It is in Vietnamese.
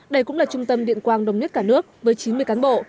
đây cũng là trung tâm điện quang đồng nhất cả nước với chín mươi cán bộ